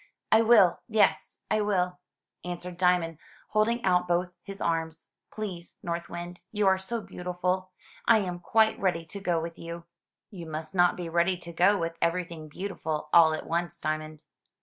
"I will; yes, I will,*' answered Diamond, holding out both his arms. Please, North Wind, you are so beautiful, I am quite ready to go with you." "You must not be ready to go with everything beautiful all at once, Diamond."